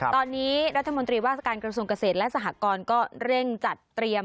ตอนนี้รัฐมนตรีว่าการกระทรวงเกษตรและสหกรก็เร่งจัดเตรียม